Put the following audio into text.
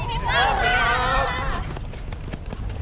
สวัสดีครับ